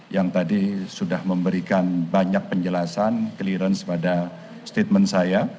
yang tadi sudah memberikan banyak penjelasan clearance pada statement saya